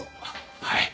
はい。